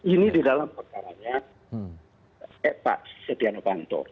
ini di dalam perkaranya pak setia novanto